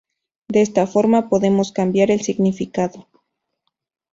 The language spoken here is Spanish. De esta forma podemos cambiar el significado.